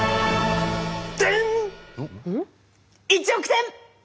１億点！